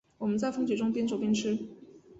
我们在风雪中边走边吃